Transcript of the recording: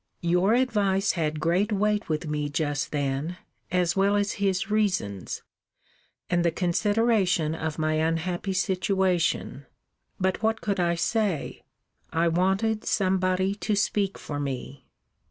Your advice had great weight with me just then, as well as his reasons, and the consideration of my unhappy situation: But what could I say? I wanted somebody to speak for me.